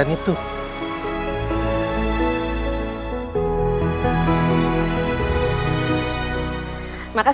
tentunya jangan lupa